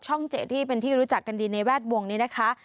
๗ที่เป็นที่รู้จักกันดีในแวดวงนี้นะคะ